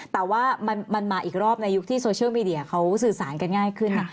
แต่ว่ามันมาอีกรอบในยุคที่โซเชียลมีเดียเขาสื่อสารกันง่ายขึ้น